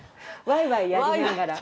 ワイワイやりながら。